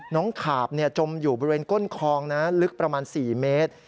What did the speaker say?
ขาบจมอยู่บริเวณก้นคลองนะลึกประมาณ๔เมตร